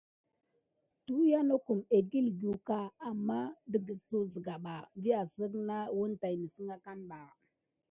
Tuyiya nokum ekikucka aman tikisuk siga ɓa vi asine nesine wune akane ɓa.